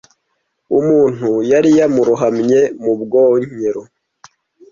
Umuntu yari yamurohamye mu bwogero.